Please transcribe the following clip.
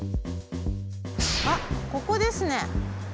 あっここですね。